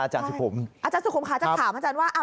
อาจารย์สุขุมอาจารย์สุขุมค่ะถ้ามาถามอาจารย์ว่าอ่ะ